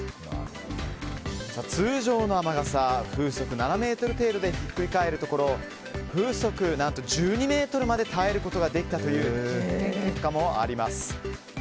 通常の雨傘は風速７メートル程度でひっくり返るところ風速何と１２メートルまで耐えることができたという実験結果もあります。